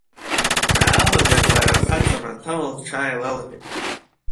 Даалаган лара хаҵа маҭәала лҽааилалҳәеит.